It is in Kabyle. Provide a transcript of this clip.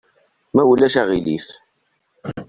Ma ulac aɣilif.